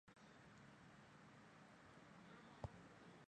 阿尔当库尔科谢雷。